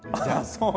そう。